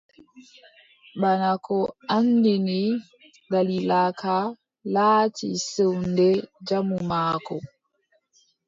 Bana ko anndini, daliila ka, laati sewnde jamu maako.